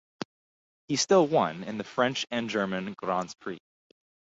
He still won in the French and German Grands Prix.